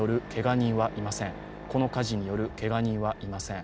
この火事によるけが人はいません。